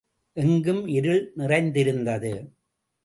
எங்கும் இருள் நிறைந்திருந்தது.